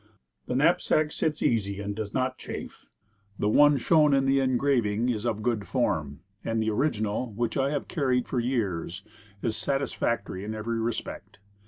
The knapsack sits easy, and does not chafe. The one shown in the engraving is of good form; and the original which I have carried for years is satisfactory in every respect.